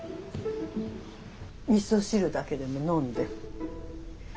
みそ汁だけでも飲んで。